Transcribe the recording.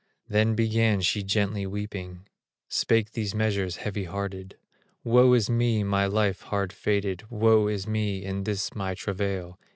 Then began she gently weeping, Spake these measures, heavy hearted: "Woe is me, my life hard fated! Woe is me, in this my travail!